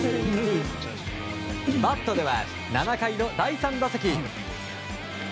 バットでは、７回の第３打席。